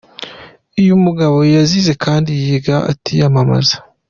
Uyu mugabo yarize, kandi yiga atiyamamaza.